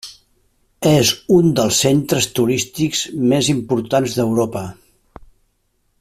És un dels centres turístics més importants d'Europa.